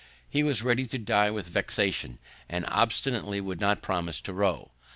He was ready to die with vexation, and obstinately would not promise to row.